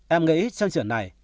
em nghĩ trong chuyện này